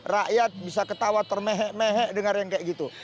rakyat bisa ketawa termehek mehek dengar yang kayak gitu